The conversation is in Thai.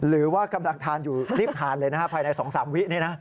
หรือว่ากำลังทานอยู่รีบทานเลยนะฮะภายใน๒๓วินี่นะ